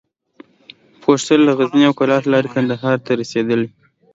فورسټر له غزني او قلات لاري کندهار ته رسېدلی.